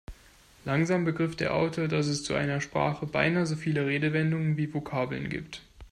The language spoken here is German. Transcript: Langsam begriff der Autor, dass es zu einer Sprache beinahe so viele Redewendungen wie Vokabeln gibt.